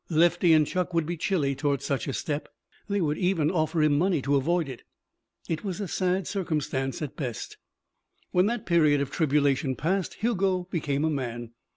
Lefty and Chuck would be chilly toward such a step. They would even offer him money to avoid it. It was a sad circumstance, at best. When that period of tribulation passed, Hugo became a man.